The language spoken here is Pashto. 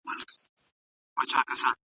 انسان د ټولنې پرته ژوند نسي کولای.